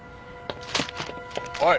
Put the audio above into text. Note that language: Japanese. おい！